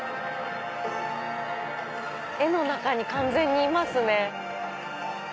絵の中に完全にいますね。